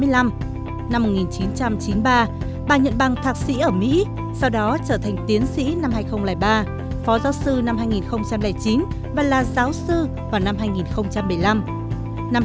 năm một nghìn chín trăm chín mươi ba bà nhận bằng thạc sĩ ở mỹ sau đó trở thành tiến sĩ năm hai nghìn ba phó giáo sư năm hai nghìn chín và là giáo sư vào năm hai nghìn bảy